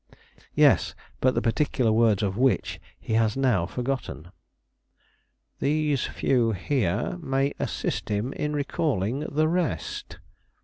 "Yes; but the particular words of which he has now forgotten." "These few here may assist him in recalling the rest."